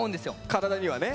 体にはね。